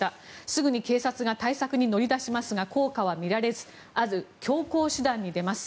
すぐに警察が対策に乗り出しますが効果は見られずある強硬手段に出ます。